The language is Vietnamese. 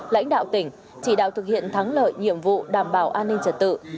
lãnh đạo tỉnh chỉ đạo thực hiện thắng lợi nhiệm vụ đảm bảo an ninh trật tự